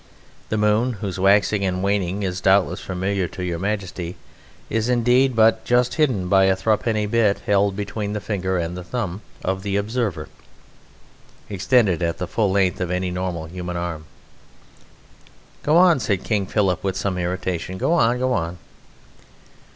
The moon, whose waxing and waning is doubtless familiar to Your Majesty, is indeed but just hidden by a thruppenny bit held between the finger and the thumb of the observer extended at the full length of any normal human arm." "Go on," said King Philip, with some irritation; "go on; go on!"